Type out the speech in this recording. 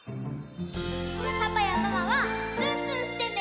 パパやママはつんつんしてね。